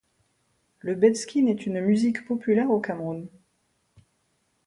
Le Bend-skin est une musique populaire du Cameroun.